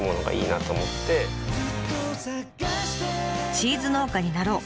「チーズ農家になろう」